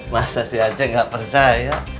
masa si aceh nggak percaya